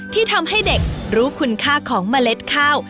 ที่ทำให้เด็กรู้คุณค่าของเมล็ดข้าว